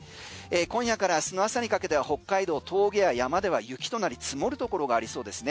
今夜からあすの朝にかけては北海道、峠や山では雪となり積もるところがありそうですね。